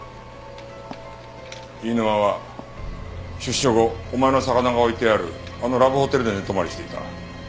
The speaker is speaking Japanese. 飯沼は出所後お前の魚が置いてあるあのラブホテルで寝泊まりしていた。